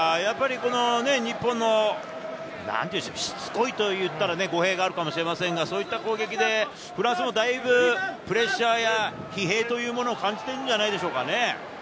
日本の、しつこいと言ったら語弊があるかもしれませんが、そういった攻撃でフランスもだいぶプレッシャーや疲弊を感じているんじゃないでしょうかね。